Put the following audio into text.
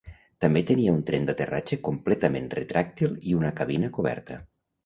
També tenia un tren d'aterratge completament retràctil i una cabina coberta.